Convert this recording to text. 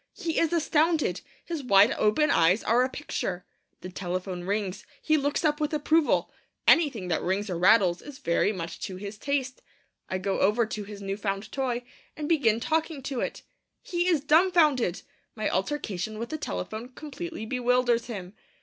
He is astounded. His wide open eyes are a picture. The telephone rings. He looks up with approval. Anything that rings or rattles is very much to his taste. I go over to his new found toy, and begin talking to it. He is dumbfounded. My altercation with the telephone completely bewilders him.